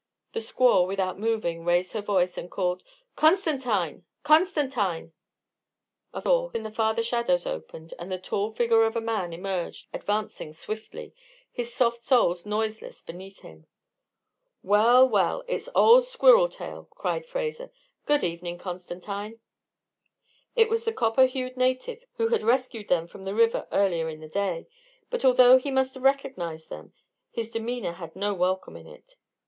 The squaw, without moving, raised her voice and called: "Constantine! Constantine!" A door in the farther shadows opened, and the tall figure of a man emerged, advancing swiftly, his soft soles noiseless beneath him. "Well, well! It's old Squirrel Tail," cried Fraser. "Good evening, Constantine." It was the copper hued native who had rescued them from the river earlier in the day; but although he must have recognized them, his demeanor had no welcome in it.